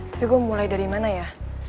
tapi gue mulai dari mana ya